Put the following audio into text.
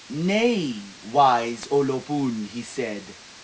"Nay, wise O lo pun," he said.